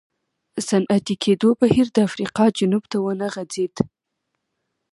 صنعتي کېدو بهیر د افریقا جنوب ته ونه غځېد.